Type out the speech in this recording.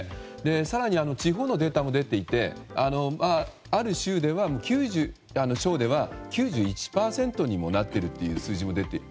更に地方のデータも出ていてある省では９１％にもなっているという数字も出ていると。